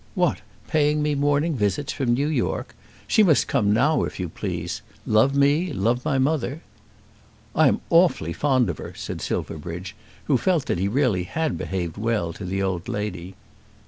"What, paying me morning visits from New York! She must come now, if you please. Love me, love my mother." "I am awfully fond of her," said Silverbridge, who felt that he really had behaved well to the old lady.